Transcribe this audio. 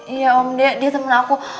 iya om dia temen aku